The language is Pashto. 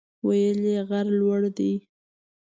ویل یې غر لوړ دی.